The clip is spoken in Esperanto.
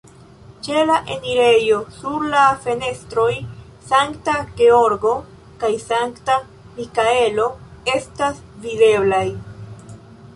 Ĉe la enirejo sur la fenestroj Sankta Georgo kaj Sankta Mikaelo estas videblaj.